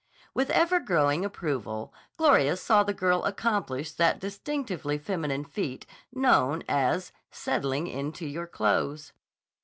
With ever growing approval, Gloria saw the girl accomplish that distinctively feminine feat known as "settling into your clothes."